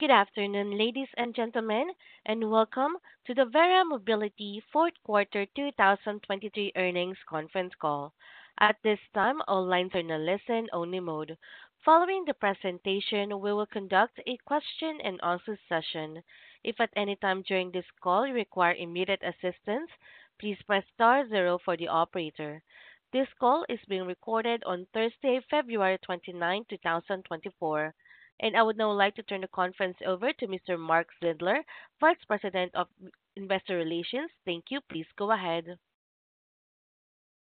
Good afternoon, ladies and gentlemen, and welcome to the Verra Mobility 4th Quarter 2023 Earnings Conference Call. At this time, all lines are in a listen-only mode. Following the presentation, we will conduct a question-and-answer session. If at any time during this call you require immediate assistance, please press star zero for the operator. This call is being recorded on Thursday, February 29th, 2024, and I would now like to turn the conference over to Mr. Mark Zindler, Vice President of Investor Relations. Thank you, please go ahead.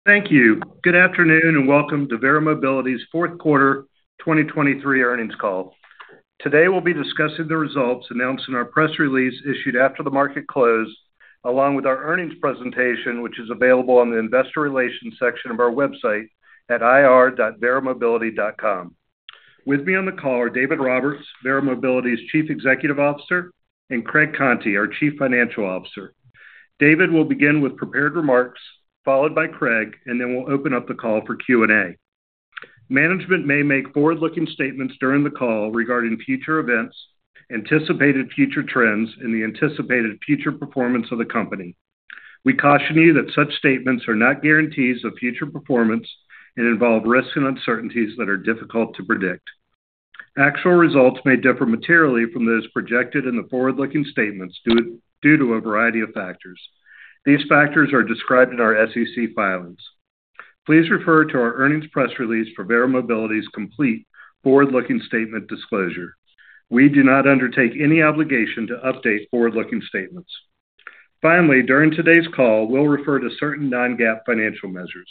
Thank you. Good afternoon and welcome to Verra Mobility's 4th Quarter 2023 Earnings Call. Today we'll be discussing the results announced in our press release issued after the market close, along with our earnings presentation, which is available on the Investor Relations section of our website at ir.verramobility.com. With me on the call are David Roberts, Verra Mobility's Chief Executive Officer, and Craig Conti, our Chief Financial Officer. David will begin with prepared remarks, followed by Craig, and then we'll open up the call for Q&A. Management may make forward-looking statements during the call regarding future events, anticipated future trends, and the anticipated future performance of the company. We caution you that such statements are not guarantees of future performance and involve risks and uncertainties that are difficult to predict. Actual results may differ materially from those projected in the forward-looking statements due to a variety of factors. These factors are described in our SEC filings. Please refer to our earnings press release for Verra Mobility's complete forward-looking statement disclosure. We do not undertake any obligation to update forward-looking statements. Finally, during today's call, we'll refer to certain non-GAAP financial measures.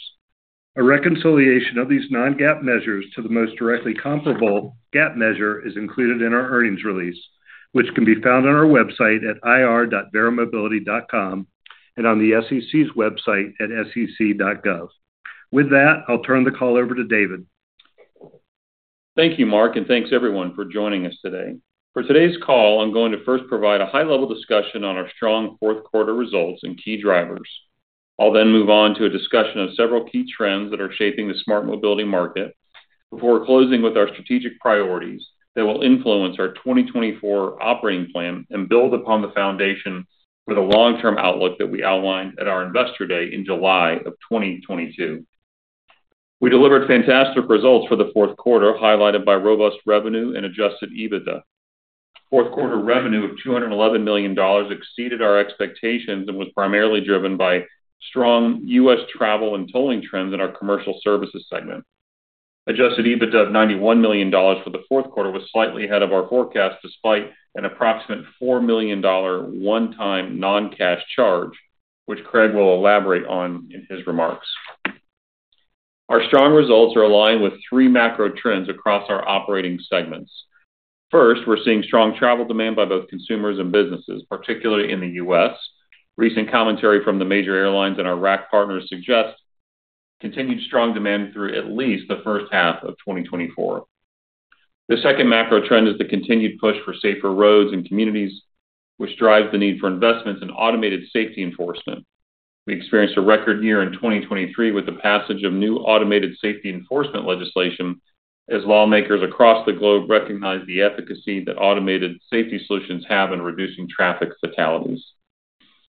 A reconciliation of these non-GAAP measures to the most directly comparable GAAP measure is included in our earnings release, which can be found on our website at ir.verramobility.com and on the SEC's website at sec.gov. With that, I'll turn the call over to David. Thank you, Mark, and thanks everyone for joining us today. For today's call, I'm going to first provide a high-level discussion on our strong fourth quarter results and key drivers. I'll then move on to a discussion of several key trends that are shaping the smart mobility market before closing with our strategic priorities that will influence our 2024 operating plan and build upon the foundation for the long-term outlook that we outlined at our investor day in July of 2022. We delivered fantastic results for the fourth quarter, highlighted by robust revenue and Adjusted EBITDA. Fourth quarter revenue of $211 million exceeded our expectations and was primarily driven by strong U.S. travel and tolling trends in our commercial services segment. Adjusted EBITDA of $91 million for the fourth quarter was slightly ahead of our forecast despite an approximate $4 million one-time non-cash charge, which Craig will elaborate on in his remarks. Our strong results are aligned with three macro trends across our operating segments. First, we're seeing strong travel demand by both consumers and businesses, particularly in the U.S. Recent commentary from the major airlines and our RAC partners suggests continued strong demand through at least the first half of 2024. The second macro trend is the continued push for safer roads and communities, which drives the need for investments in automated safety enforcement. We experienced a record year in 2023 with the passage of new automated safety enforcement legislation, as lawmakers across the globe recognize the efficacy that automated safety solutions have in reducing traffic fatalities.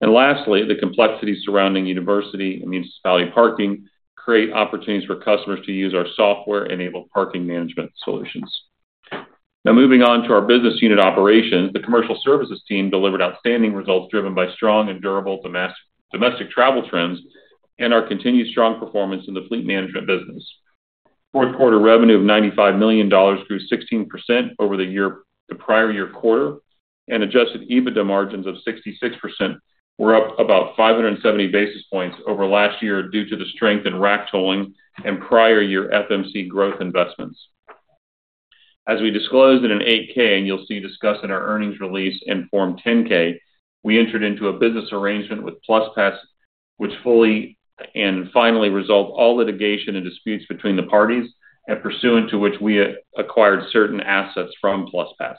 Lastly, the complexities surrounding university and municipality parking create opportunities for customers to use our software-enabled parking management solutions. Now, moving on to our business unit operations, the commercial services team delivered outstanding results driven by strong and durable domestic travel trends and our continued strong performance in the fleet management business. Fourth quarter revenue of $95 million grew 16% over the prior year quarter, and adjusted EBITDA margins of 66% were up about 570 basis points over last year due to the strength in RAC tolling and prior year FMC growth investments. As we disclosed in an 8-K, and you'll see discussed in our earnings release and Form 10-K, we entered into a business arrangement with PlusPass, which fully and finally resolved all litigation and disputes between the parties pursuant to which we acquired certain assets from PlusPass.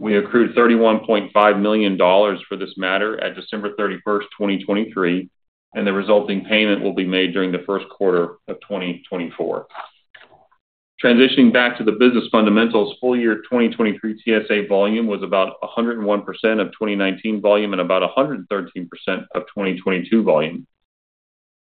We accrued $31.5 million for this matter at December 31st, 2023, and the resulting payment will be made during the first quarter of 2024. Transitioning back to the business fundamentals, full year 2023 TSA volume was about 101% of 2019 volume and about 113% of 2022 volume.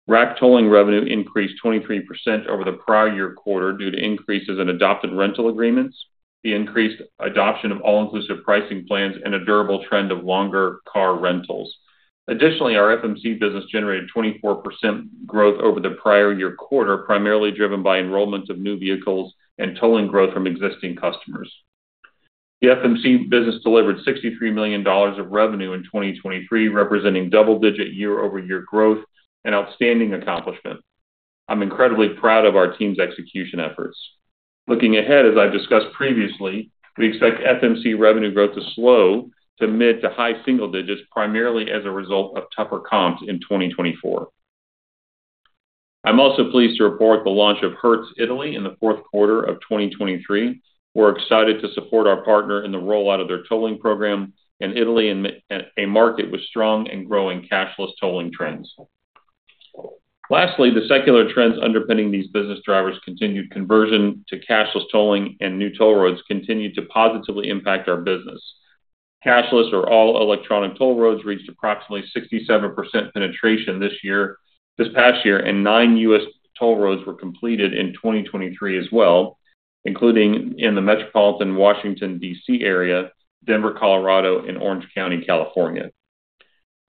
RAC tolling revenue increased 23% over the prior year quarter due to increases in adopted rental agreements, the increased adoption of all-inclusive pricing plans, and a durable trend of longer car rentals. Additionally, our FMC business generated 24% growth over the prior year quarter, primarily driven by enrollment of new vehicles and tolling growth from existing customers. The FMC business delivered $63 million of revenue in 2023, representing double-digit year-over-year growth and outstanding accomplishment. I'm incredibly proud of our team's execution efforts. Looking ahead, as I've discussed previously, we expect FMC revenue growth to slow, to mid to high single digits, primarily as a result of tougher comps in 2024. I'm also pleased to report the launch of Hertz Italy in the fourth quarter of 2023. We're excited to support our partner in the rollout of their tolling program in Italy in a market with strong and growing cashless tolling trends. Lastly, the secular trends underpinning these business drivers, continued conversion to cashless tolling and new toll roads, continue to positively impact our business. Cashless or all-electronic toll roads reached approximately 67% penetration this past year, and nine U.S. toll roads were completed in 2023 as well, including in the metropolitan Washington, D.C. area, Denver, Colorado, and Orange County, California.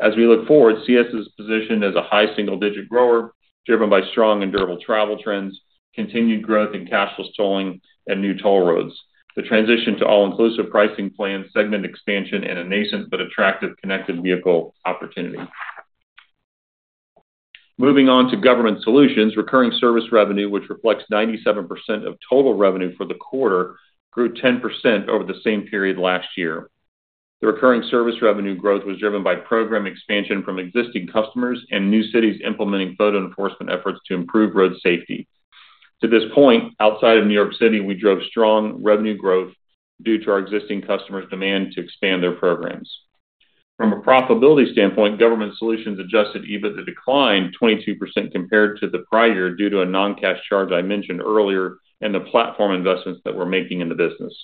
As we look forward, CS is positioned as a high single-digit grower driven by strong and durable travel trends, continued growth in cashless tolling, and new toll roads. The transition to all-inclusive pricing plans, segment expansion, and a nascent but attractive connected vehicle opportunity. Moving on to government solutions, recurring service revenue, which reflects 97% of total revenue for the quarter, grew 10% over the same period last year. The recurring service revenue growth was driven by program expansion from existing customers and new cities implementing photo enforcement efforts to improve road safety. To this point, outside of New York City, we drove strong revenue growth due to our existing customers' demand to expand their programs. From a profitability standpoint, government solutions adjusted EBITDA declined 22% compared to the prior year due to a non-cash charge I mentioned earlier and the platform investments that we're making in the business.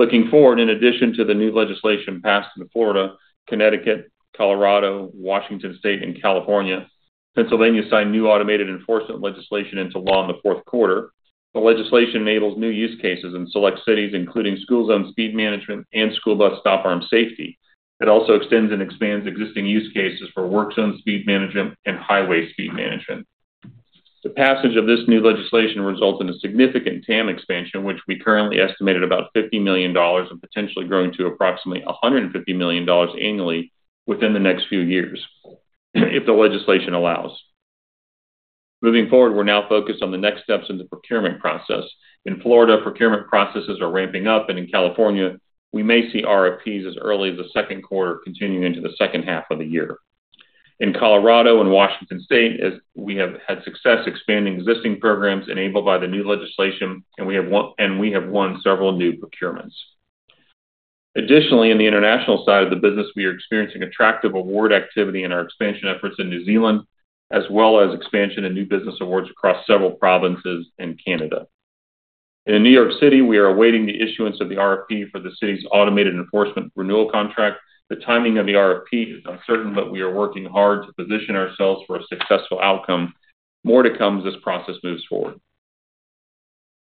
Looking forward, in addition to the new legislation passed in Florida, Connecticut, Colorado, Washington State, and California, Pennsylvania signed new automated enforcement legislation into law in the fourth quarter. The legislation enables new use cases in select cities, including school-zone speed management and school bus stop-arm safety. It also extends and expands existing use cases for work-zone speed management and highway speed management. The passage of this new legislation results in a significant TAM expansion, which we currently estimated about $50 million and potentially growing to approximately $150 million annually within the next few years, if the legislation allows. Moving forward, we're now focused on the next steps in the procurement process. In Florida, procurement processes are ramping up, and in California, we may see RFPs as early as the second quarter continuing into the second half of the year. In Colorado and Washington State, we have had success expanding existing programs enabled by the new legislation, and we have won several new procurements. Additionally, in the international side of the business, we are experiencing attractive award activity in our expansion efforts in New Zealand, as well as expansion in new business awards across several provinces in Canada. In New York City, we are awaiting the issuance of the RFP for the city's automated enforcement renewal contract. The timing of the RFP is uncertain, but we are working hard to position ourselves for a successful outcome. More to come as this process moves forward.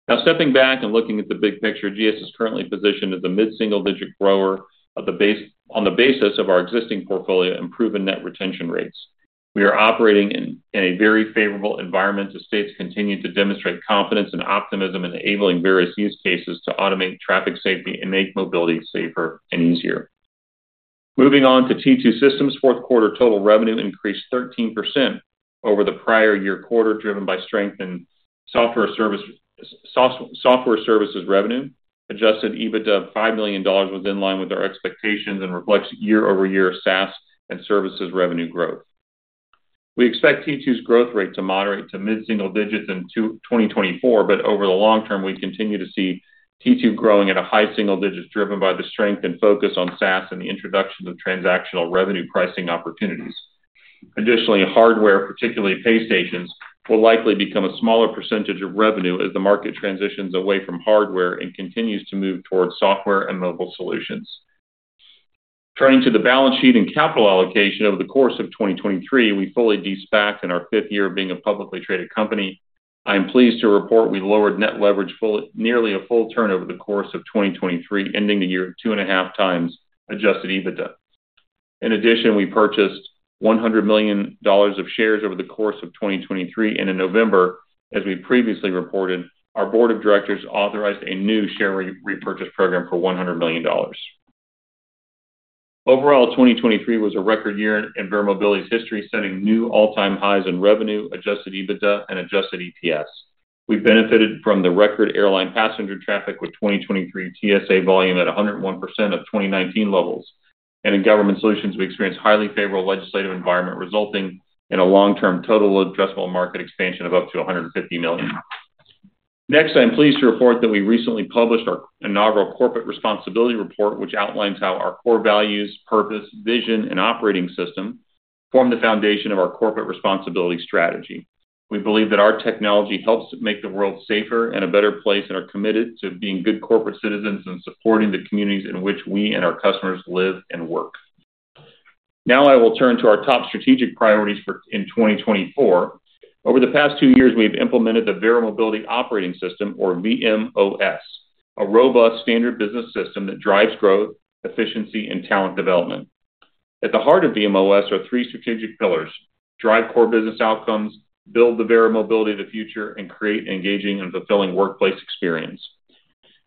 Now, stepping back and looking at the big picture, GS is currently positioned as a mid-single-digit grower on the basis of our existing portfolio and proven net retention rates. We are operating in a very favorable environment as states continue to demonstrate confidence and optimism in enabling various use cases to automate traffic safety and make mobility safer and easier. Moving on to T2 Systems, fourth quarter total revenue increased 13% over the prior year quarter, driven by strength in software services revenue. Adjusted EBITDA of $5 million was in line with our expectations and reflects year-over-year SaaS and services revenue growth. We expect T2's growth rate to moderate to mid-single digits in 2024, but over the long term, we continue to see T2 growing at a high single digit, driven by the strength and focus on SaaS and the introduction of transactional revenue pricing opportunities. Additionally, hardware, particularly pay stations, will likely become a smaller percentage of revenue as the market transitions away from hardware and continues to move towards software and mobile solutions. Turning to the balance sheet and capital allocation over the course of 2023, we fully de-SPACed in our fifth year of being a publicly traded company. I am pleased to report we lowered net leverage nearly a full turn over the course of 2023, ending the year 2.5x Adjusted EBITDA. In addition, we purchased $100 million of shares over the course of 2023, and in November, as we previously reported, our board of directors authorized a new share repurchase program for $100 million. Overall, 2023 was a record year in Verra Mobility's history, setting new all-time highs in revenue, Adjusted EBITDA, and Adjusted EPS. We benefited from the record airline passenger traffic with 2023 TSA volume at 101% of 2019 levels. In government solutions, we experienced highly favorable legislative environment, resulting in a long-term total addressable market expansion of up to $150 million. Next, I am pleased to report that we recently published our inaugural corporate responsibility report, which outlines how our core values, purpose, vision, and operating system form the foundation of our corporate responsibility strategy. We believe that our technology helps make the world safer and a better place, and are committed to being good corporate citizens and supporting the communities in which we and our customers live and work. Now, I will turn to our top strategic priorities in 2024. Over the past two years, we have implemented the Verra Mobility Operating System, or VMOS, a robust standard business system that drives growth, efficiency, and talent development. At the heart of VMOS are three strategic pillars: drive core business outcomes, build the Verra Mobility of the future, and create an engaging and fulfilling workplace experience.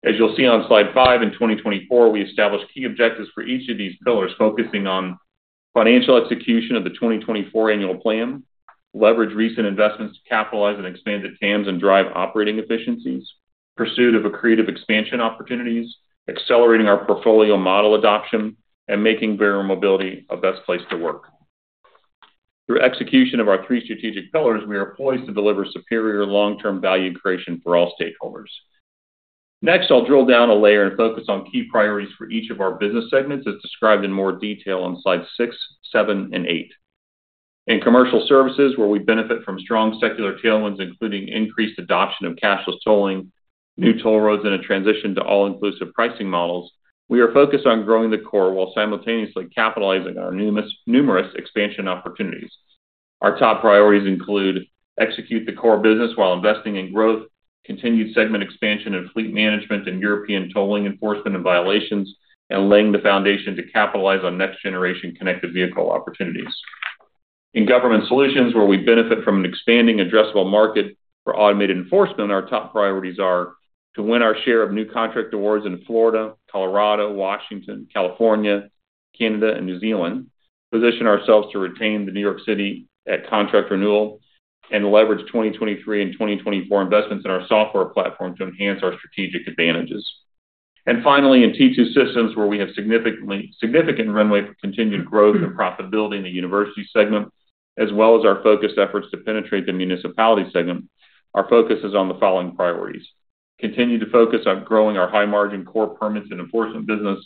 As you'll see on slide five, in 2024, we established key objectives for each of these pillars, focusing on financial execution of the 2024 annual plan, leverage recent investments to capitalize and expand the TAMs and drive operating efficiencies, pursuit of creative expansion opportunities, accelerating our portfolio model adoption, and making Verra Mobility a best place to work. Through execution of our three strategic pillars, we are poised to deliver superior long-term value creation for all stakeholders. Next, I'll drill down a layer and focus on key priorities for each of our business segments as described in more detail on slides six, seven, and eight. In commercial services, where we benefit from strong secular tailwinds, including increased adoption of cashless tolling, new toll roads, and a transition to all-inclusive pricing models, we are focused on growing the core while simultaneously capitalizing on our numerous expansion opportunities. Our top priorities include executing the core business while investing in growth, continued segment expansion and fleet management, and European tolling enforcement and violations, and laying the foundation to capitalize on next-generation connected vehicle opportunities. In government solutions, where we benefit from an expanding addressable market for automated enforcement, our top priorities are to win our share of new contract awards in Florida, Colorado, Washington, California, Canada, and New Zealand, position ourselves to retain New York City at contract renewal, and leverage 2023 and 2024 investments in our software platform to enhance our strategic advantages. Finally, in T2 Systems, where we have significant runway for continued growth and profitability in the university segment, as well as our focused efforts to penetrate the municipality segment, our focus is on the following priorities: continue to focus on growing our high-margin core permits and enforcement business,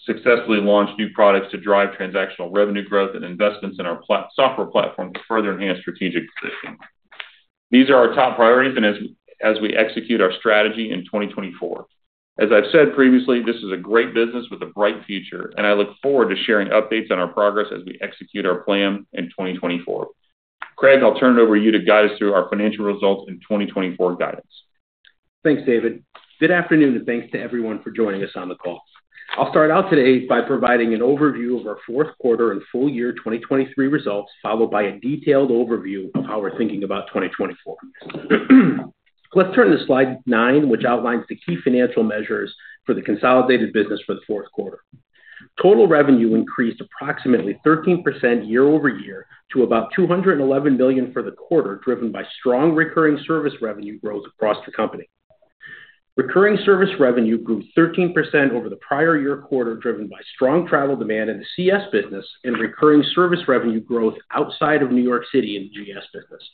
successfully launch new products to drive transactional revenue growth, and investments in our software platform to further enhance strategic positioning. These are our top priorities as we execute our strategy in 2024. As I've said previously, this is a great business with a bright future, and I look forward to sharing updates on our progress as we execute our plan in 2024. Craig, I'll turn it over to you to guide us through our financial results and 2024 guidance. Thanks, David. Good afternoon, and thanks to everyone for joining us on the call. I'll start out today by providing an overview of our fourth quarter and full year 2023 results, followed by a detailed overview of how we're thinking about 2024. Let's turn to slide nine, which outlines the key financial measures for the consolidated business for the fourth quarter. Total revenue increased approximately 13% year-over-year to about $211 million for the quarter, driven by strong recurring service revenue growth across the company. Recurring service revenue grew 13% over the prior year quarter, driven by strong travel demand in the CS business and recurring service revenue growth outside of New York City in the GS business.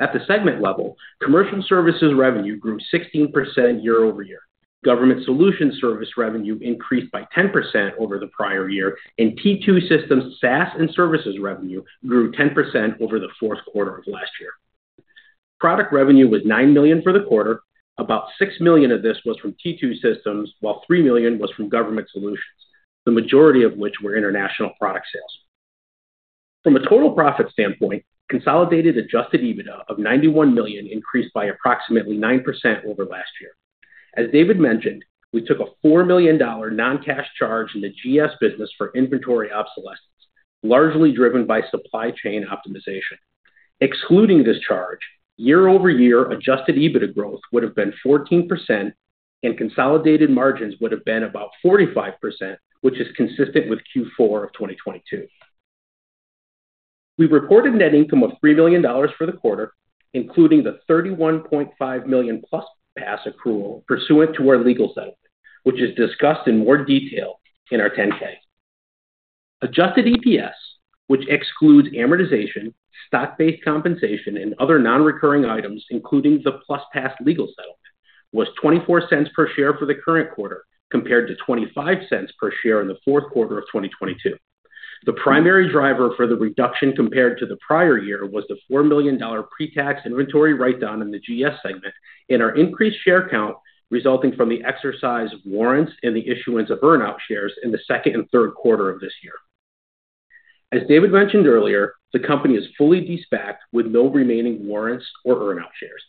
At the segment level, commercial services revenue grew 16% year-over-year. Government solutions service revenue increased by 10% over the prior year, and T2 Systems SaaS and services revenue grew 10% over the fourth quarter of last year. Product revenue was $9 million for the quarter. About $6 million of this was from T2 Systems, while $3 million was from government solutions, the majority of which were international product sales. From a total profit standpoint, consolidated Adjusted EBITDA of $91 million increased by approximately 9% over last year. As David mentioned, we took a $4 million non-cash charge in the GS business for inventory obsolescence, largely driven by supply chain optimization. Excluding this charge, year-over-year, Adjusted EBITDA growth would have been 14%, and consolidated margins would have been about 45%, which is consistent with Q4 of 2022. We reported net income of $3 million for the quarter, including the $31.5 million PlusPass accrual pursuant to our legal settlement, which is discussed in more detail in our 10-K. Adjusted EPS, which excludes amortization, stock-based compensation, and other non-recurring items, including the PlusPass legal settlement, was $0.24 per share for the current quarter compared to $0.25 per share in the fourth quarter of 2022. The primary driver for the reduction compared to the prior year was the $4 million pre-tax inventory write-down in the GS segment and our increased share count resulting from the exercise of warrants and the issuance of earnout shares in the second and third quarter of this year. As David mentioned earlier, the company is fully de-SPACed with no remaining warrants or earnout shares.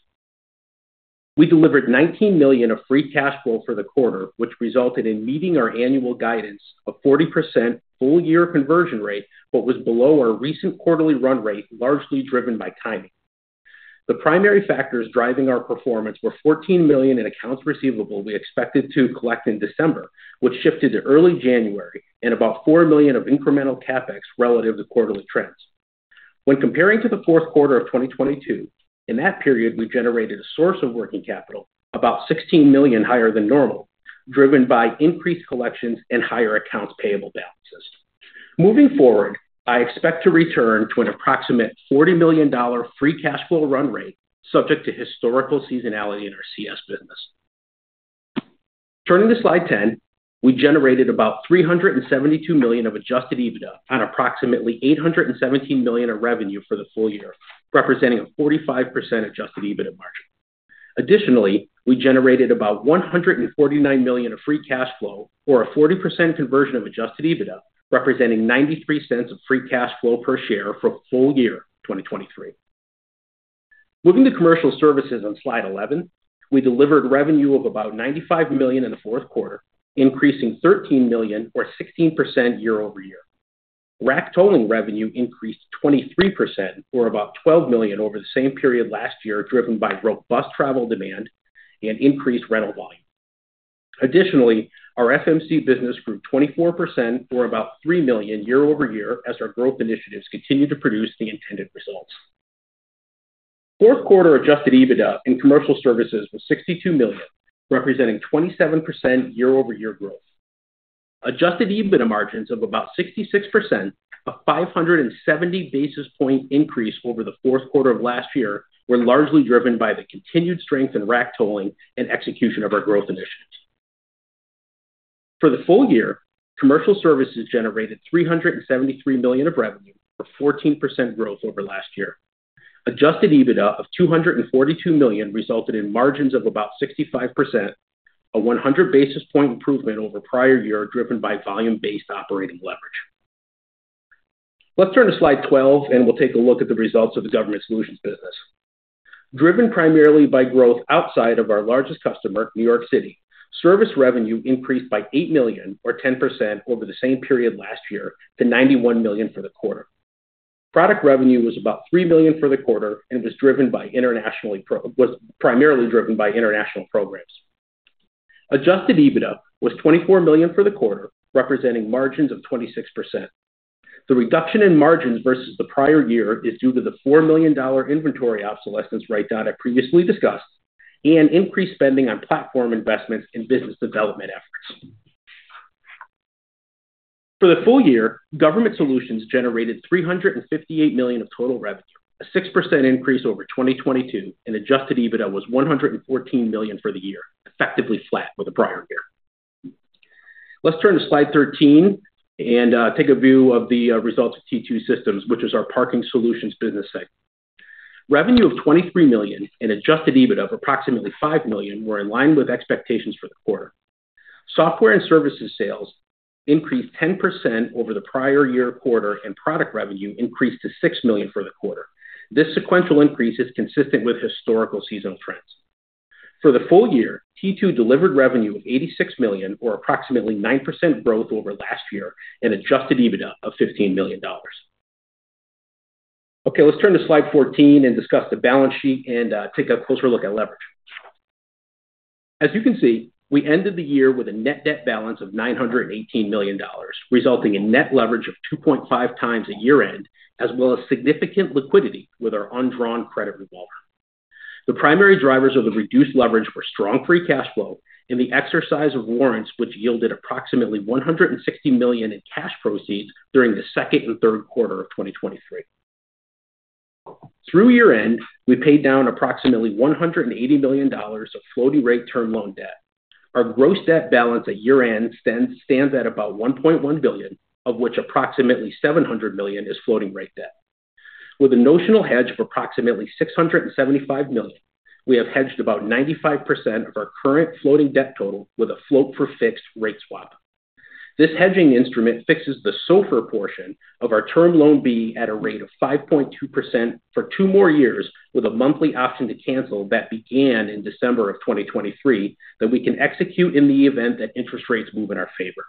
We delivered $19 million of free cash flow for the quarter, which resulted in meeting our annual guidance of 40% full-year conversion rate, but was below our recent quarterly run rate, largely driven by timing. The primary factors driving our performance were $14 million in accounts receivable we expected to collect in December, which shifted to early January, and about $4 million of incremental CapEx relative to quarterly trends. When comparing to the fourth quarter of 2022, in that period, we generated a source of working capital about $16 million higher than normal, driven by increased collections and higher accounts payable balances. Moving forward, I expect to return to an approximate $40 million free cash flow run rate subject to historical seasonality in our CS business. Turning to slide 10, we generated about $372 million of adjusted EBITDA on approximately $817 million of revenue for the full year, representing a 45% adjusted EBITDA margin. Additionally, we generated about $149 million of free cash flow, or a 40% conversion of adjusted EBITDA, representing $0.93 of free cash flow per share for full year 2023. Moving to commercial services on slide 11, we delivered revenue of about $95 million in the fourth quarter, increasing $13 million, or 16% year-over-year. RAC tolling revenue increased 23%, or about $12 million over the same period last year, driven by robust travel demand and increased rental volume. Additionally, our FMC business grew 24%, or about $3 million year-over-year, as our growth initiatives continue to produce the intended results. Fourth quarter adjusted EBITDA in commercial services was $62 million, representing 27% year-over-year growth. Adjusted EBITDA margins of about 66%, a 570-basis-point increase over the fourth quarter of last year, were largely driven by the continued strength in RAC tolling and execution of our growth initiatives. For the full year, commercial services generated $373 million of revenue, or 14% growth over last year. Adjusted EBITDA of $242 million resulted in margins of about 65%, a 100-basis-point improvement over prior year, driven by volume-based operating leverage. Let's turn to slide 12, and we'll take a look at the results of the government solutions business. Driven primarily by growth outside of our largest customer, New York City, service revenue increased by $8 million, or 10%, over the same period last year to $91 million for the quarter. Product revenue was about $3 million for the quarter and was driven primarily by international programs. Adjusted EBITDA was $24 million for the quarter, representing margins of 26%. The reduction in margins versus the prior year is due to the $4 million inventory obsolescence write-down I previously discussed and increased spending on platform investments and business development efforts. For the full year, government solutions generated $358 million of total revenue, a 6% increase over 2022, and adjusted EBITDA was $114 million for the year, effectively flat with the prior year. Let's turn to slide 13 and take a view of the results of T2 Systems, which is our parking solutions business segment. Revenue of $23 million and adjusted EBITDA of approximately $5 million were in line with expectations for the quarter. Software and services sales increased 10% over the prior year quarter, and product revenue increased to $6 million for the quarter. This sequential increase is consistent with historical seasonal trends. For the full year, T2 delivered revenue of $86 million, or approximately 9% growth over last year, and Adjusted EBITDA of $15 million. Okay, let's turn to slide 14 and discuss the balance sheet and take a closer look at leverage. As you can see, we ended the year with a net debt balance of $918 million, resulting in net leverage of 2.5x at year-end, as well as significant liquidity with our undrawn credit revolver. The primary drivers of the reduced leverage were strong free cash flow and the exercise of warrants, which yielded approximately $160 million in cash proceeds during the second and third quarter of 2023. Through year-end, we paid down approximately $180 million of floating rate term loan debt. Our gross debt balance at year-end stands at about $1.1 billion, of which approximately $700 million is floating rate debt. With a notional hedge of approximately $675 million, we have hedged about 95% of our current floating debt total with a float-for-fixed rate swap. This hedging instrument fixes the SOFR portion of our Term Loan B at a rate of 5.2% for two more years, with a monthly option to cancel that began in December of 2023 that we can execute in the event that interest rates move in our favor.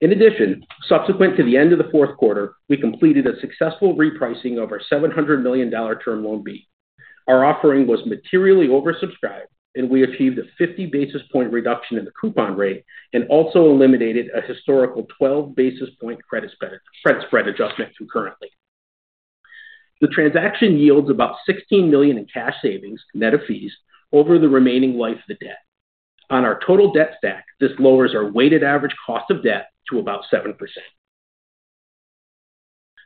In addition, subsequent to the end of the fourth quarter, we completed a successful repricing of our $700 million Term Loan B. Our offering was materially oversubscribed, and we achieved a 50 basis point reduction in the coupon rate and also eliminated a historical 12 basis point credit spread adjustment through current. The transaction yields about $16 million in cash savings, net of fees, over the remaining life of the debt. On our total debt stack, this lowers our weighted average cost of debt to about 7%.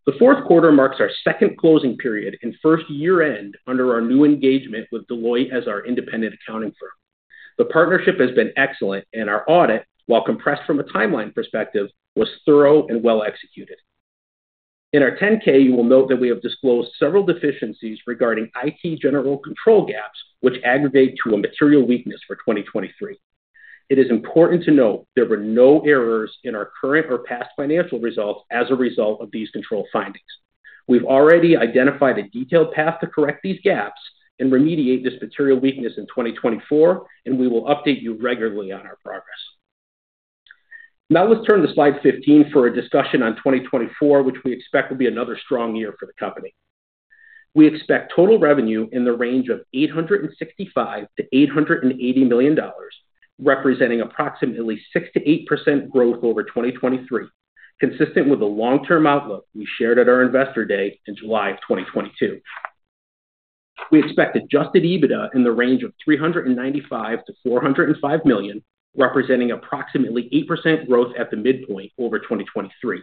The fourth quarter marks our second closing period and first year-end under our new engagement with Deloitte as our independent accounting firm. The partnership has been excellent, and our audit, while compressed from a timeline perspective, was thorough and well-executed. In our 10-K, you will note that we have disclosed several deficiencies regarding IT General Controls gaps, which aggravate to a material weakness for 2023. It is important to note there were no errors in our current or past financial results as a result of these control findings. We've already identified a detailed path to correct these gaps and remediate this material weakness in 2024, and we will update you regularly on our progress. Now let's turn to slide 15 for a discussion on 2024, which we expect will be another strong year for the company. We expect total revenue in the range of $865-$880 million, representing approximately 6%-8% growth over 2023, consistent with the long-term outlook we shared at our investor day in July of 2022. We expect Adjusted EBITDA in the range of $395 million-$405 million, representing approximately 8% growth at the midpoint over 2023.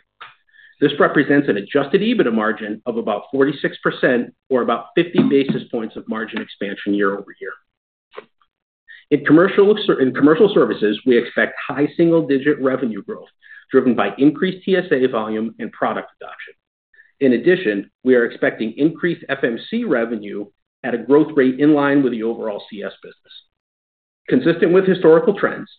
This represents an Adjusted EBITDA margin of about 46%, or about 50 basis points of margin expansion year-over-year. In commercial services, we expect high single-digit revenue growth driven by increased TSA volume and product adoption. In addition, we are expecting increased FMC revenue at a growth rate in line with the overall CS business. Consistent with historical trends,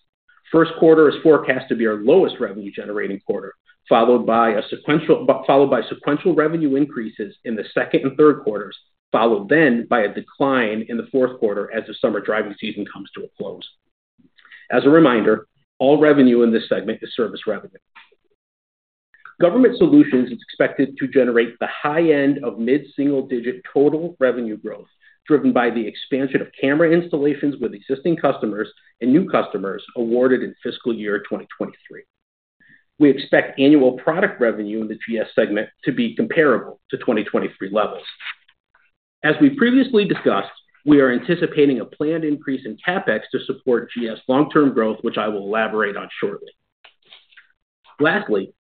first quarter is forecast to be our lowest revenue-generating quarter, followed by sequential revenue increases in the second and third quarters, followed then by a decline in the fourth quarter as the summer driving season comes to a close. As a reminder, all revenue in this segment is service revenue. Government Solutions is expected to generate the high-end of mid-single-digit total revenue growth driven by the expansion of camera installations with existing customers and new customers awarded in fiscal year 2023. We expect annual product revenue in the GS segment to be comparable to 2023 levels. As we previously discussed, we are anticipating a planned increase in CapEx to support GS long-term growth, which I will elaborate on shortly. Lastly,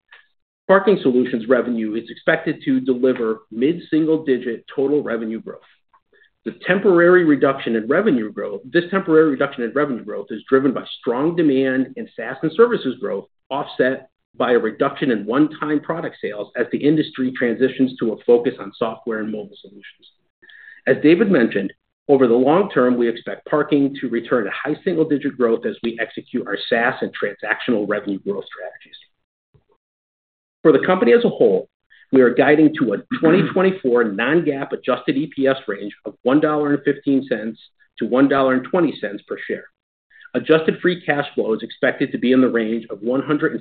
Parking Solutions revenue is expected to deliver mid-single-digit total revenue growth. The temporary reduction in revenue growth is driven by strong demand and SaaS and services growth offset by a reduction in one-time product sales as the industry transitions to a focus on software and mobile solutions. As David mentioned, over the long term, we expect parking to return to high single-digit growth as we execute our SaaS and transactional revenue growth strategies. For the company as a whole, we are guiding to a 2024 non-GAAP adjusted EPS range of $1.15-$1.20 per share. Adjusted free cash flow is expected to be in the range of $155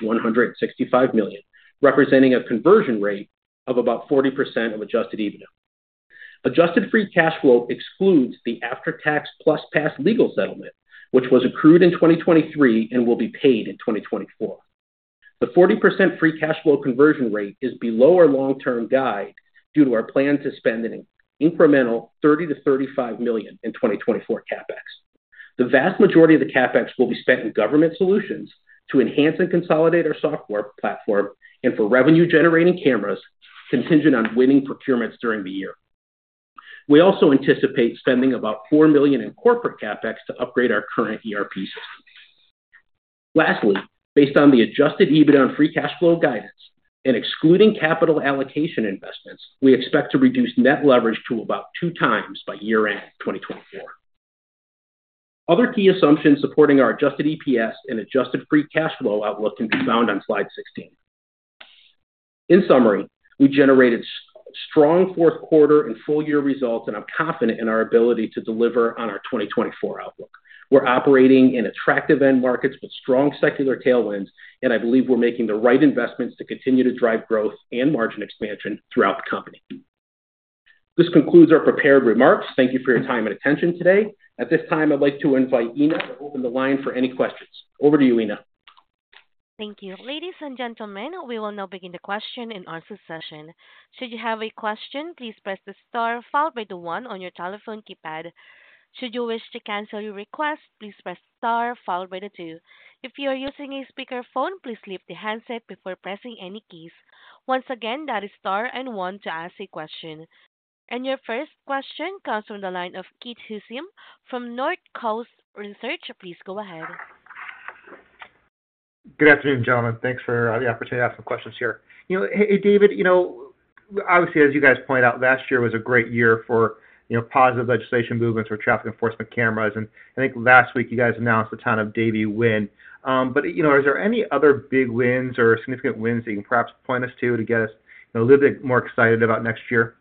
million-$165 million, representing a conversion rate of about 40% of adjusted EBITDA. Adjusted free cash flow excludes the after-tax PlusPass legal settlement, which was accrued in 2023 and will be paid in 2024. The 40% free cash flow conversion rate is below our long-term guide due to our plan to spend an incremental $30 million-$35 million in 2024 CapEx. The vast majority of the CapEx will be spent in government solutions to enhance and consolidate our software platform and for revenue-generating cameras contingent on winning procurements during the year. We also anticipate spending about $4 million in corporate CapEx to upgrade our current ERP systems. Lastly, based on the adjusted EBITDA on free cash flow guidance and excluding capital allocation investments, we expect to reduce net leverage to about 2x by year-end 2024. Other key assumptions supporting our adjusted EPS and adjusted free cash flow outlook can be found on slide 16. In summary, we generated strong fourth quarter and full-year results, and I'm confident in our ability to deliver on our 2024 outlook. We're operating in attractive end markets with strong secular tailwinds, and I believe we're making the right investments to continue to drive growth and margin expansion throughout the company. This concludes our prepared remarks. Thank you for your time and attention today. At this time, I'd like to invite Ina to open the line for any questions. Over to you, Ina. Thank you. Ladies and gentlemen, we will now begin the question and answer session. Should you have a question, please press the star followed by the one on your telephone keypad. Should you wish to cancel your request, please press the star followed by the two. If you are using a speakerphone, please leave the handset before pressing any keys. Once again, that is star and one to ask a question. Your first question comes from the line of Keith Housum from Northcoast Research. Please go ahead. Good afternoon, gentlemen. Thanks for the opportunity to ask some questions here. Hey, David, obviously, as you guys point out, last year was a great year for positive legislation movements for traffic enforcement cameras. I think last week you guys announced the Town of Davie win. Are there any other big wins or significant wins that you can perhaps point us to to get us a little bit more excited about next year?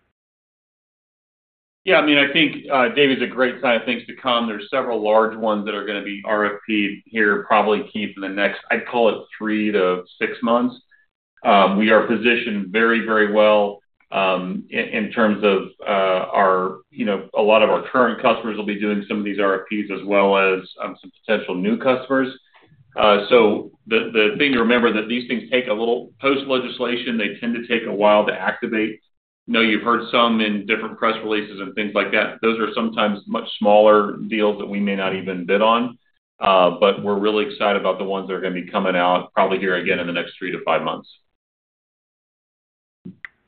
Yeah, I mean, I think David's a great sign of things to come. There's several large ones that are going to be RFPed here, probably Keith, in the next I'd call it three-six months. We are positioned very, very well in terms of our a lot of our current customers will be doing some of these RFPs as well as some potential new customers. So the thing to remember is that these things take a little post-legislation. They tend to take a while to activate. I know you've heard some in different press releases and things like that. Those are sometimes much smaller deals that we may not even bid on. But we're really excited about the ones that are going to be coming out probably here again in the next three-five months.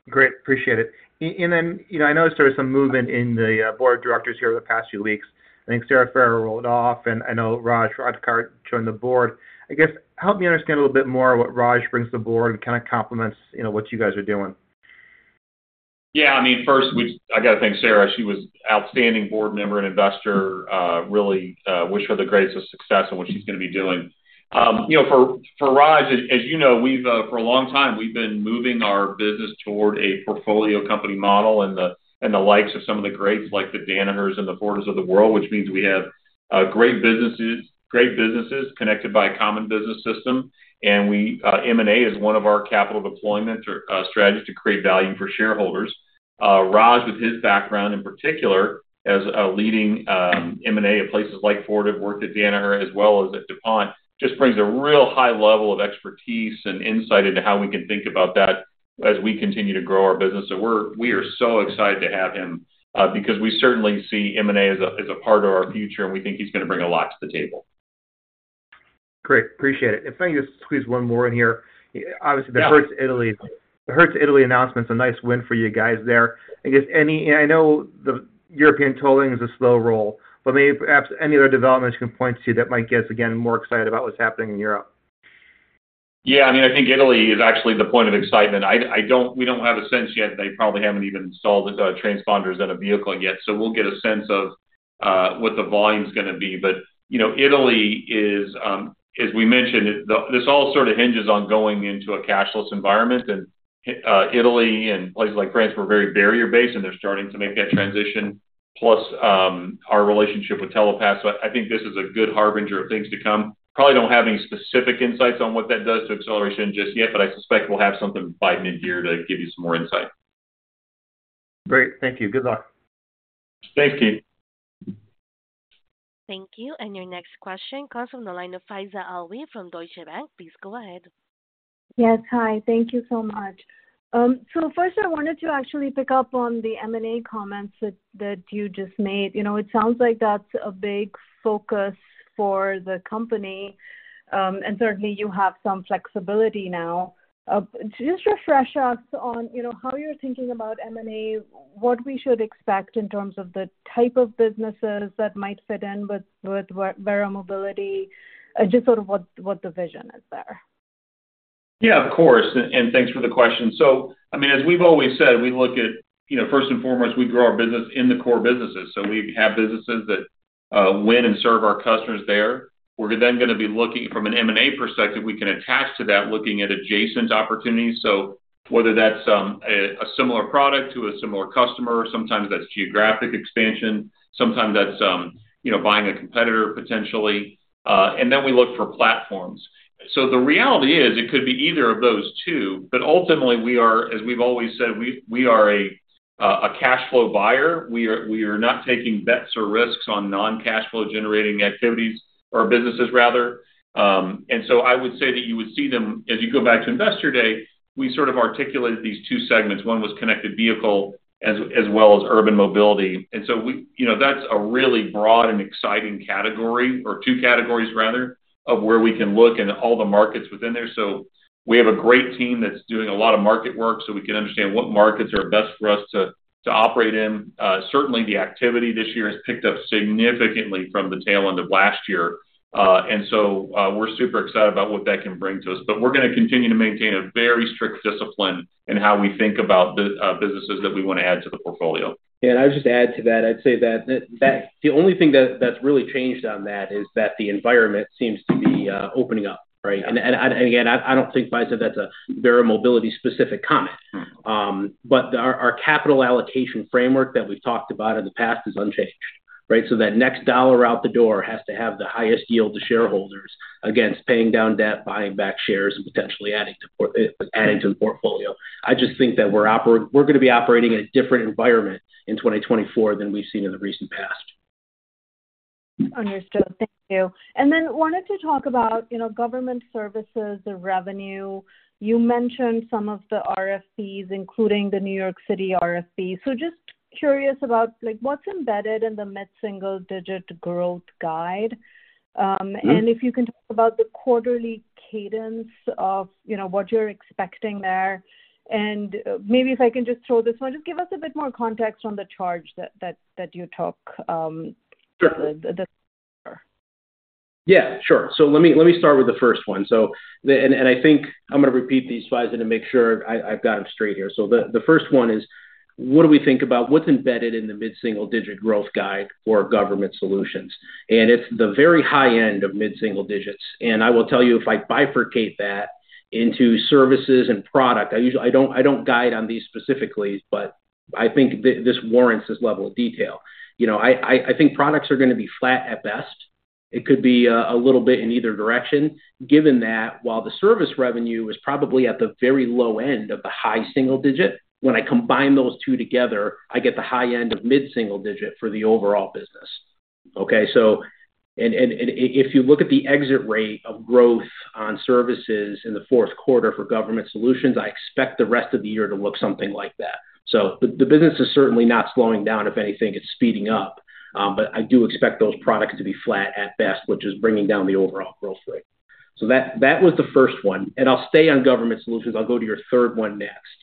Great. Appreciate it. And then I noticed there was some movement in the board of directors here over the past few weeks. I think Sarah Farrell rolled off, and I know Raj Ratnakar joined the board. I guess, help me understand a little bit more what Raj brings to the board and kind of complements what you guys are doing. Yeah, I mean, first, I got to thank Sarah. She was an outstanding board member and investor. Really wish her the greatest of success in what she's going to be doing. For Raj, as you know, for a long time, we've been moving our business toward a portfolio company model and the likes of some of the greats like the Danahers and the Fords of the world, which means we have great businesses connected by a common business system. And M&A is one of our capital deployment strategies to create value for shareholders. Raj, with his background in particular as a leading M&A at places like Ford, I've worked at Danaher as well as at DuPont, just brings a real high level of expertise and insight into how we can think about that as we continue to grow our business. We are so excited to have him because we certainly see M&A as a part of our future, and we think he's going to bring a lot to the table. Great. Appreciate it. If I can just squeeze one more in here. Obviously, the Hertz Italy announcements are a nice win for you guys there. I guess I know the European tolling is a slow roll, but maybe perhaps any other developments you can point to that might get us, again, more excited about what's happening in Europe. Yeah, I mean, I think Italy is actually the point of excitement. We don't have a sense yet that they probably haven't even installed transponders in a vehicle yet. So we'll get a sense of what the volume is going to be. But Italy is, as we mentioned, this all sort of hinges on going into a cashless environment. And Italy and places like France were very barrier-based, and they're starting to make that transition, plus our relationship with Telepass. So I think this is a good harbinger of things to come. Probably don't have any specific insights on what that does to acceleration just yet, but I suspect we'll have something by midyear to give you some more insight. Great. Thank you. Good luck. Thanks, Keith. Thank you. Your next question comes from the line of Faiza Alwy from Deutsche Bank. Please go ahead. Yes, hi. Thank you so much. So first, I wanted to actually pick up on the M&A comments that you just made. It sounds like that's a big focus for the company, and certainly, you have some flexibility now. Just refresh us on how you're thinking about M&A, what we should expect in terms of the type of businesses that might fit in with Verra Mobility, just sort of what the vision is there. Yeah, of course. And thanks for the question. So I mean, as we've always said, we look at first and foremost, we grow our business in the core businesses. So we have businesses that win and serve our customers there. We're then going to be looking from an M&A perspective, we can attach to that looking at adjacent opportunities. So whether that's a similar product to a similar customer, sometimes that's geographic expansion. Sometimes that's buying a competitor, potentially. And then we look for platforms. So the reality is it could be either of those two. But ultimately, as we've always said, we are a cash flow buyer. We are not taking bets or risks on non-cash flow generating activities or businesses, rather. And so I would say that you would see them as you go back to investor day, we sort of articulated these two segments. One was Connected Vehicle as well as urban mobility. And so that's a really broad and exciting category or two categories, rather, of where we can look and all the markets within there. So we have a great team that's doing a lot of market work so we can understand what markets are best for us to operate in. Certainly, the activity this year has picked up significantly from the tail end of last year. And so we're super excited about what that can bring to us. But we're going to continue to maintain a very strict discipline in how we think about the businesses that we want to add to the portfolio. Yeah, and I would just add to that, I'd say that the only thing that's really changed on that is that the environment seems to be opening up, right? And again, I don't think Faiza said that's a Verra Mobility-specific comment. But our capital allocation framework that we've talked about in the past is unchanged, right? So that next dollar out the door has to have the highest yield to shareholders against paying down debt, buying back shares, and potentially adding to the portfolio. I just think that we're going to be operating in a different environment in 2024 than we've seen in the recent past. Understood. Thank you. And then wanted to talk about government services and revenue. You mentioned some of the RFPs, including the New York City RFP. So just curious about what's embedded in the mid-single-digit growth guide. And if you can talk about the quarterly cadence of what you're expecting there. And maybe if I can just throw this one, just give us a bit more context on the charge that you took. Sure. The charge for. Yeah, sure. So let me start with the first one. And I think I'm going to repeat these, Faiza, to make sure I've got them straight here. So the first one is, what do we think about what's embedded in the mid-single-digit growth guide for government solutions? And it's the very high end of mid-single digits. And I will tell you, if I bifurcate that into services and product, I don't guide on these specifically, but I think this warrants this level of detail. I think products are going to be flat at best. It could be a little bit in either direction. Given that, while the service revenue is probably at the very low end of the high single digit, when I combine those two together, I get the high end of mid-single digit for the overall business, okay? If you look at the exit rate of growth on services in the fourth quarter for government solutions, I expect the rest of the year to look something like that. The business is certainly not slowing down. If anything, it's speeding up. But I do expect those products to be flat at best, which is bringing down the overall growth rate. That was the first one. I'll stay on government solutions. I'll go to your third one next.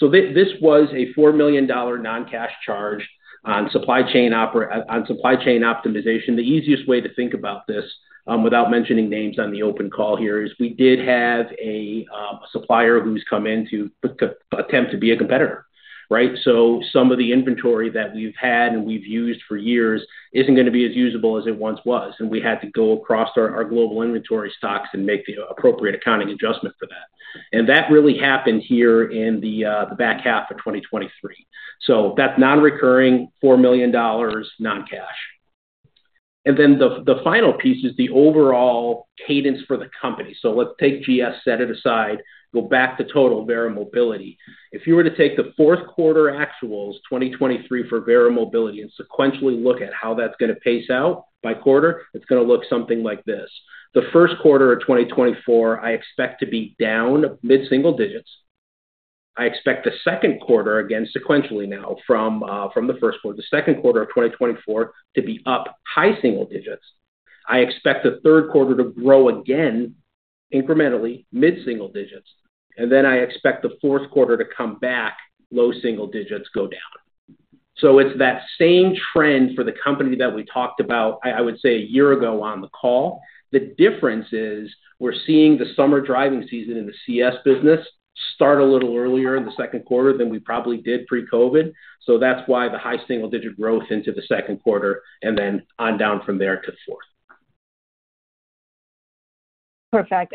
This was a $4 million non-cash charge on supply chain optimization. The easiest way to think about this without mentioning names on the open call here is we did have a supplier who's come in to attempt to be a competitor, right? Some of the inventory that we've had and we've used for years isn't going to be as usable as it once was. We had to go across our global inventory stocks and make the appropriate accounting adjustment for that. That really happened here in the back half of 2023. So that's non-recurring $4 million non-cash. Then the final piece is the overall cadence for the company. So let's take GS set it aside, go back to total Verra Mobility. If you were to take the fourth quarter actuals, 2023, for Verra Mobility and sequentially look at how that's going to pace out by quarter, it's going to look something like this. The first quarter of 2024, I expect to be down mid-single digits. I expect the second quarter, again, sequentially now from the first quarter, the second quarter of 2024, to be up high single digits. I expect the third quarter to grow again incrementally mid-single digits. Then I expect the fourth quarter to come back low single digits, go down. It's that same trend for the company that we talked about, I would say, a year ago on the call. The difference is we're seeing the summer driving season in the CS business start a little earlier in the second quarter than we probably did pre-COVID. That's why the high single digit growth into the second quarter and then on down from there to fourth. Perfect.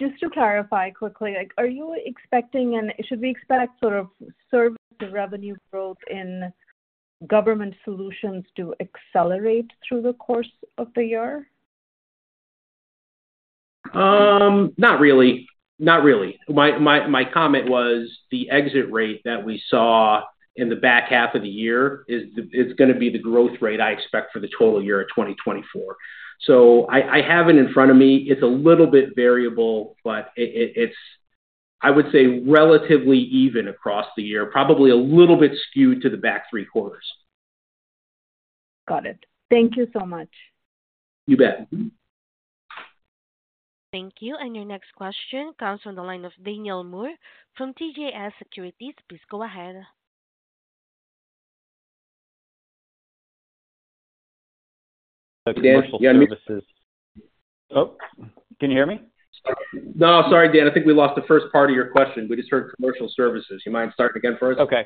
Just to clarify quickly, are you expecting and should we expect sort of service and revenue growth in government solutions to accelerate through the course of the year? Not really. Not really. My comment was the exit rate that we saw in the back half of the year is going to be the growth rate I expect for the total year of 2024. So I have it in front of me. It's a little bit variable, but it's, I would say, relatively even across the year, probably a little bit skewed to the back three quarters. Got it. Thank you so much. You bet. Thank you. And your next question comes from the line of Daniel Moore from CJS Securities. Please go ahead. Commercial services. Oh, can you hear me? No, sorry, Dan. I think we lost the first part of your question. We just heard commercial services. You mind starting again for us? Okay.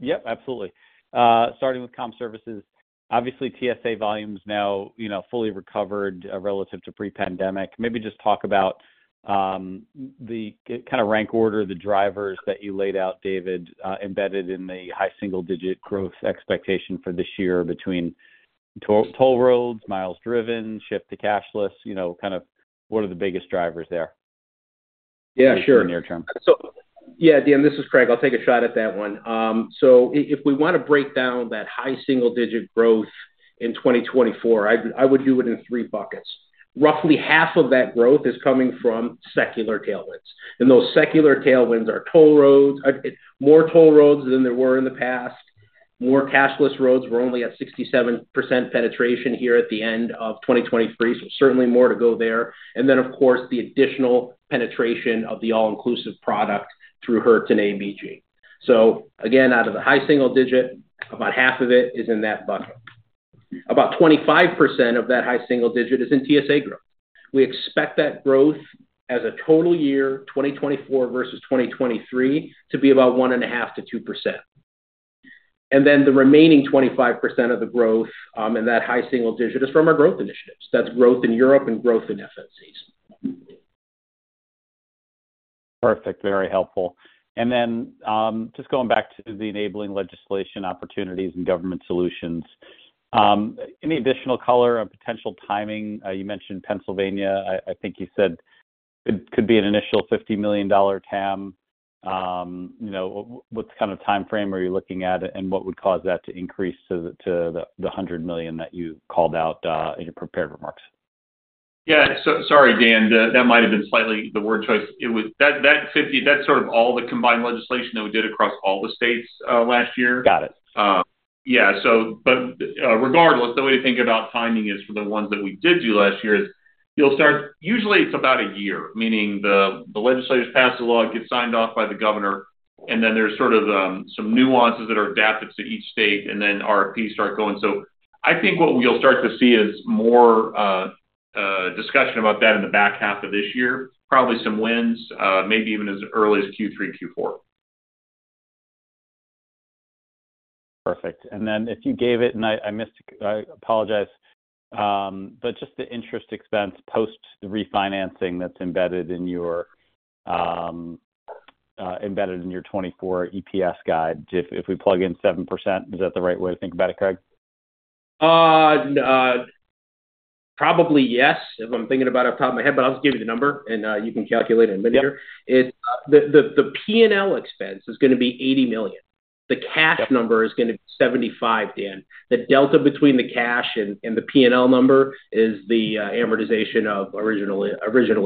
Yep, absolutely. Starting with comm services. Obviously, TSA volume is now fully recovered relative to pre-pandemic. Maybe just talk about the kind of rank order, the drivers that you laid out, David, embedded in the high single digit growth expectation for this year between toll roads, miles driven, shift to cashless, kind of what are the biggest drivers there in the near term? Yeah, Dan, this is Craig. I'll take a shot at that one. So if we want to break down that high single digit growth in 2024, I would do it in three buckets. Roughly half of that growth is coming from secular tailwinds. And those secular tailwinds are toll roads, more toll roads than there were in the past. More cashless roads. We're only at 67% penetration here at the end of 2023, so certainly more to go there. And then, of course, the additional penetration of the all-inclusive product through Hertz and ABG. So again, out of the high single digit, about half of it is in that bucket. About 25% of that high single digit is in TSA growth. We expect that growth as a total year, 2024 versus 2023, to be about 1.5%-2%. And then the remaining 25% of the growth in that high single digit is from our growth initiatives. That's growth in Europe and growth in FMCs. Perfect. Very helpful. And then just going back to the enabling legislation opportunities and government solutions, any additional color on potential timing? You mentioned Pennsylvania. I think you said it could be an initial $50 million TAM. What kind of timeframe are you looking at, and what would cause that to increase to the $100 million that you called out in your prepared remarks? Yeah. Sorry, Dan. That might have been slightly the word choice. That's sort of all the combined legislation that we did across all the states last year. Got it. Yeah. But regardless, the way to think about timing is for the ones that we did do last year is you'll start usually, it's about a year, meaning the legislators pass the law, it gets signed off by the governor, and then there's sort of some nuances that are adapted to each state, and then RFPs start going. So I think what you'll start to see is more discussion about that in the back half of this year, probably some wins, maybe even as early as Q3, Q4. Perfect. And then if you gave it and I missed it, I apologize. But just the interest expense post the refinancing that's embedded in your 2024 EPS guide, if we plug in 7%, is that the right way to think about it, Craig? Probably yes, if I'm thinking about it off the top of my head. But I'll just give you the number, and you can calculate it in a minute here. The P&L expense is going to be $80 million. The cash number is going to be $75 million, Dan. The delta between the cash and the P&L number is the amortization of original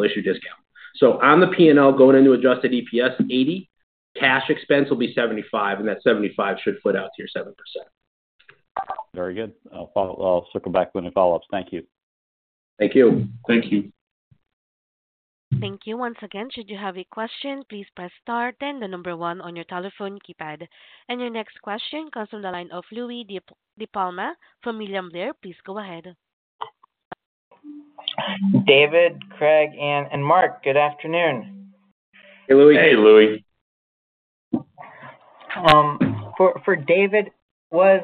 issue discount. So on the P&L, going into Adjusted EPS, $80 million. Cash expense will be $75 million, and that $75 million should foot out to your 7%. Very good. I'll circle back with any follow-ups. Thank you. Thank you. Thank you. Thank you once again. Should you have a question, please press star, then the number one on your telephone keypad. Your next question comes from the line of Louie DiPalma from William Blair. Please go ahead. David, Craig, and Mark, good afternoon. Hey, Louie. Hey, Louie. For David, was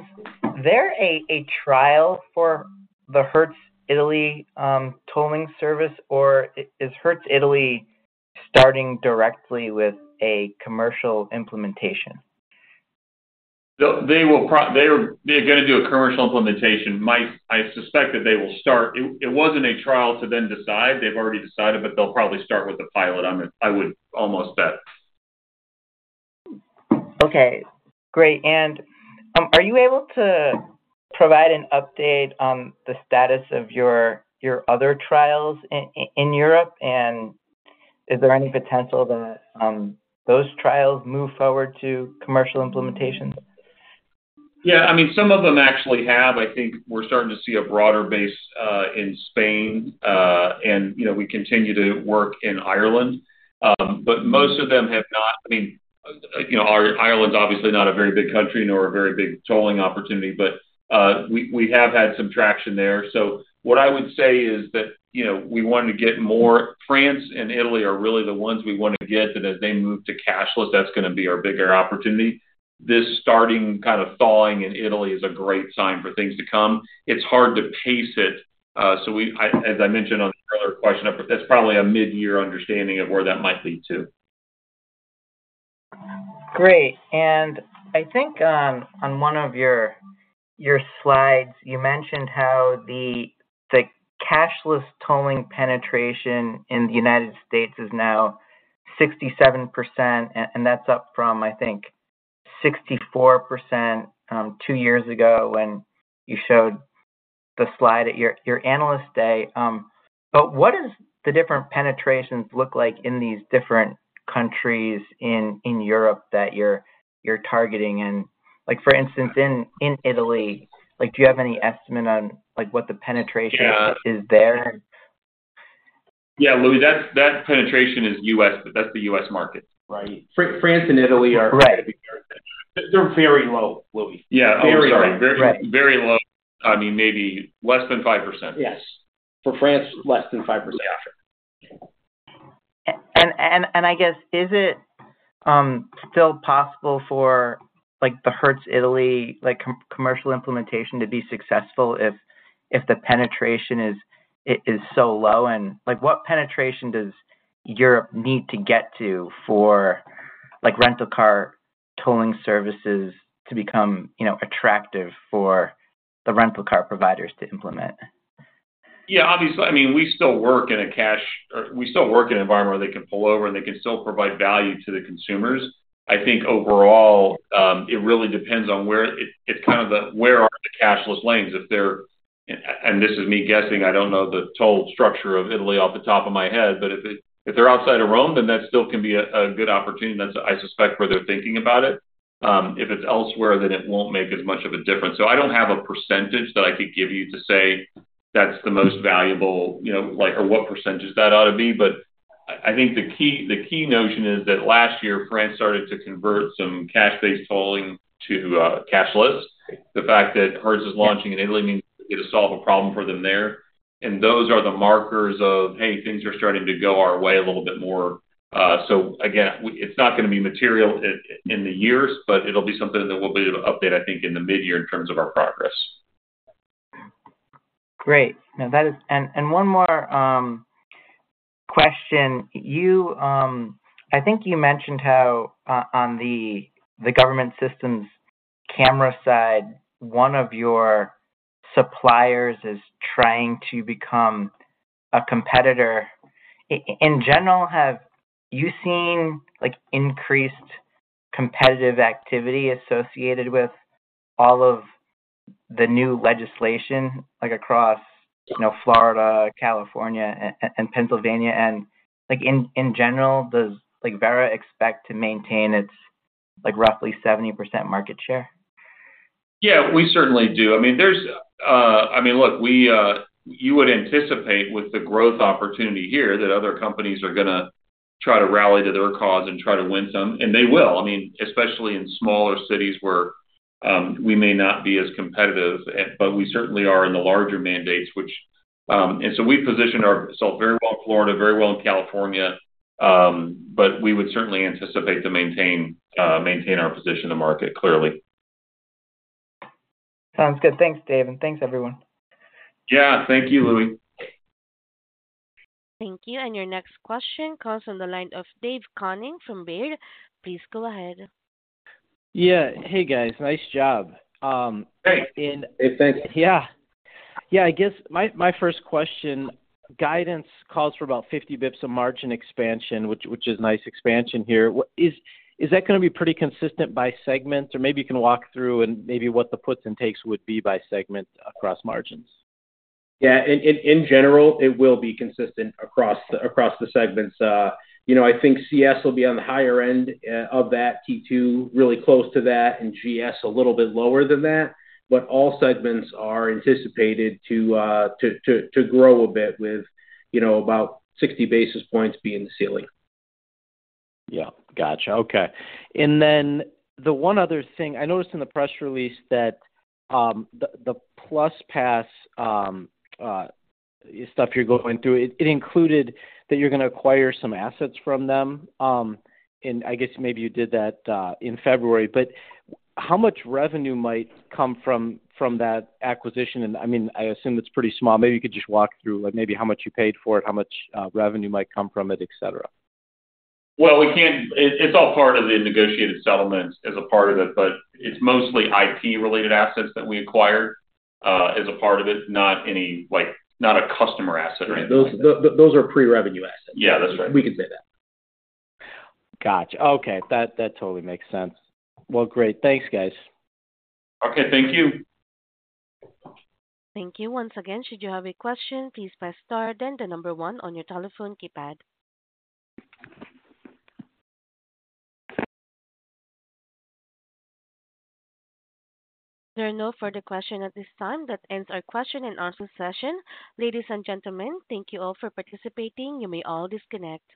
there a trial for the Hertz Italy tolling service, or is Hertz Italy starting directly with a commercial implementation? They are going to do a commercial implementation. I suspect that they will start. It wasn't a trial to then decide. They've already decided, but they'll probably start with the pilot, I would almost bet. Okay. Great. Are you able to provide an update on the status of your other trials in Europe? Is there any potential that those trials move forward to commercial implementations? Yeah. I mean, some of them actually have. I think we're starting to see a broader base in Spain, and we continue to work in Ireland. But most of them have not. I mean, Ireland's obviously not a very big country nor a very big tolling opportunity, but we have had some traction there. So what I would say is that we wanted to get more. France and Italy are really the ones we want to get that as they move to cashless, that's going to be our bigger opportunity. This starting kind of thawing in Italy is a great sign for things to come. It's hard to pace it. So as I mentioned on the earlier question, that's probably a mid-year understanding of where that might lead to. Great. I think on one of your slides, you mentioned how the cashless tolling penetration in the United States is now 67%, and that's up from, I think, 64% two years ago when you showed the slide at your analyst day. What does the different penetrations look like in these different countries in Europe that you're targeting? And for instance, in Italy, do you have any estimate on what the penetration is there? Yeah, Louie, that penetration is U.S., but that's the U.S. market, right? France and Italy are going to be very. They're very low, Louie. Yeah, I'm sorry. Very low. I mean, maybe less than 5%. Yes. For France, less than 5%. Gotcha. And I guess, is it still possible for the Hertz Italy commercial implementation to be successful if the penetration is so low? And what penetration does Europe need to get to for rental car tolling services to become attractive for the rental car providers to implement? Yeah, obviously. I mean, we still work in an environment where they can pull over, and they can still provide value to the consumers. I think overall, it really depends on where are the cashless lanes? And this is me guessing. I don't know the toll structure of Italy off the top of my head. But if they're outside of Rome, then that still can be a good opportunity. That's, I suspect, where they're thinking about it. If it's elsewhere, then it won't make as much of a difference. So I don't have a percentage that I could give you to say that's the most valuable or what percentage that ought to be. But I think the key notion is that last year, France started to convert some cash-based tolling to cashless. The fact that Hertz is launching in Italy means they get to solve a problem for them there. Those are the markers of, "Hey, things are starting to go our way a little bit more." Again, it's not going to be material in the years, but it'll be something that we'll be able to update, I think, in the mid-year in terms of our progress. Great. And one more question. I think you mentioned how on the government systems camera side, one of your suppliers is trying to become a competitor. In general, have you seen increased competitive activity associated with all of the new legislation across Florida, California, and Pennsylvania? And in general, does Verra expect to maintain its roughly 70% market share? Yeah, we certainly do. I mean, look, you would anticipate with the growth opportunity here that other companies are going to try to rally to their cause and try to win some. And they will, I mean, especially in smaller cities where we may not be as competitive. But we certainly are in the larger mandates, which and so we position ourselves very well in Florida, very well in California. But we would certainly anticipate to maintain our position in the market, clearly. Sounds good. Thanks, David. Thanks, everyone. Yeah. Thank you, Louie. Thank you. Your next question comes from the line of Dave Koning from Baird. Please go ahead. Yeah. Hey, guys. Nice job. Hey. Hey, thanks. Yeah. Yeah, I guess my first question, guidance calls for about 50 basis points of margin expansion, which is nice expansion here. Is that going to be pretty consistent by segment? Or maybe you can walk through and maybe what the puts and takes would be by segment across margins? Yeah. In general, it will be consistent across the segments. I think CS will be on the higher end of that, T2 really close to that, and GS a little bit lower than that. But all segments are anticipated to grow a bit with about 60 basis points being the ceiling. Yeah. Gotcha. Okay. And then the one other thing, I noticed in the press release that the PlusPass stuff you're going through, it included that you're going to acquire some assets from them. And I guess maybe you did that in February. But how much revenue might come from that acquisition? And I mean, I assume it's pretty small. Maybe you could just walk through maybe how much you paid for it, how much revenue might come from it, etc. Well, it's all part of the negotiated settlements as a part of it. But it's mostly IP-related assets that we acquired as a part of it, not a customer asset or anything. Those are pre-revenue assets. Yeah, that's right. We could say that. Gotcha. Okay. That totally makes sense. Well, great. Thanks, guys. Okay. Thank you. Thank you once again. Should you have a question, please press star, then the number one on your telephone keypad. There are no further questions at this time. That ends our question-and-answer session. Ladies and gentlemen, thank you all for participating. You may all disconnect.